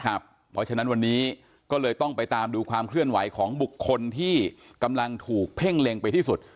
เพราะฉะนั้นวันนี้ก็เลยต้องไปตามดูความเคลื่อนไหวของบุคคลที่กำลังถูกเพ่งเล็งไปที่สุด